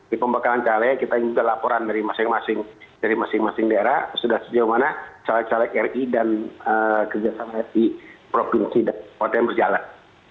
di pembekalan caket kita juga laporan dari masing masing daerah sudah sejauh mana caket calek ri dan kerja sama rki provinsi dan kabupaten berjalan